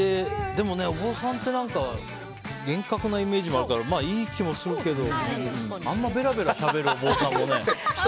でも、お坊さんって厳格なイメージもあるからいい気もするけどべらべらしゃべるお坊さんもね。